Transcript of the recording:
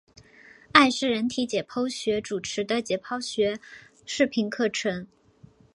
艾氏人体解剖学主持的解剖学视频课程。